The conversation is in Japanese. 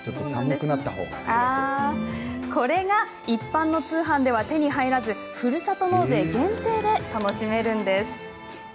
これが一般の通販では手に入らずふるさと納税限定で楽しめるんです。